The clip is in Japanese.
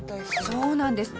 そうなんです。